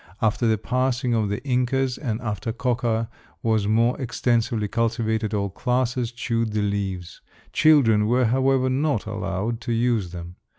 After the passing of the Incas and after coca was more extensively cultivated all classes chewed the leaves. Children were, however, not allowed to use them.